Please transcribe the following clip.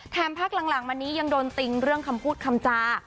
แถมภักด์หลังวันนี้ยังโดนติงเรื่องคำพูดคำจา